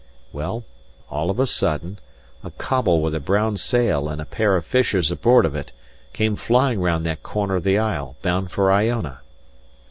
Well, all of a sudden, a coble with a brown sail and a pair of fishers aboard of it, came flying round that corner of the isle, bound for Iona.